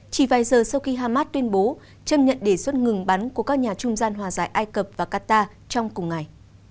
chỉ vài giờ sau khi hamas tuyên bố chấp nhận đề xuất ngừng bắn của các nhà trung gian hòa giải ai cập và qatar trong cùng ngày